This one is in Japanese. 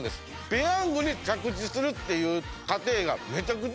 ペヤングに着地するっていう過程がめちゃくちゃ美味しい。